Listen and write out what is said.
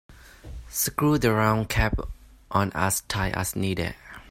Screw the round cap on as tight as needed.